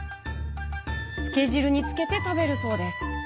つけ汁につけて食べるそうです。